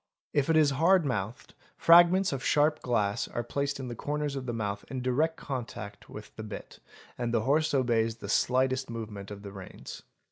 If it is hard mouthed, fragments of sharp glass are placed in the corners | of the mouth in direct contact with the bit, and the horse obeys the slightest movement of the reins.